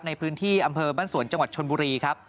ในพื้นที่อำเภอบ้านสวนจังหวัดชนบุรีครับ